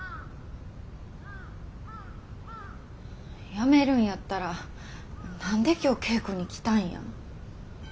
やめるんやったら何で今日稽古に来たんや。